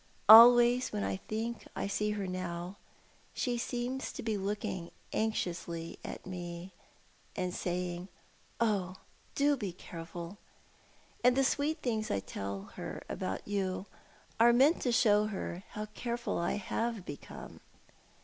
Always when I think I see her now, she seems to be looking anxiously at me and saying, 'Oh, do be careful!' And the sweet things I tell her about you are meant to show her how careful I have become.